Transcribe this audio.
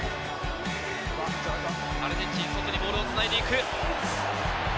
アルゼンチン、外にボールを繋いでいく。